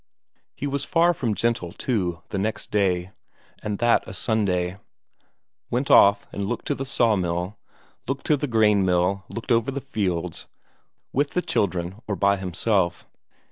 He was far from gentle, too, the next day, and that a Sunday; went off and looked to the sawmill, looked to the cornmill, looked over the fields, with the children or by himself.